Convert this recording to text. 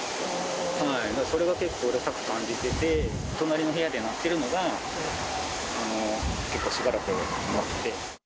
それが結構うるさく感じてて、隣の部屋で鳴ってるのが、結構しばらく鳴って。